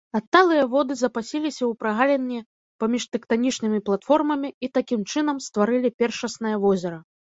Адталыя воды запасіліся ў прагаліне паміж тэктанічнымі платформамі і такім чынам стварылі першаснае возера.